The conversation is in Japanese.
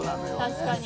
確かに。